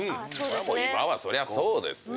今はそりゃそうですよ。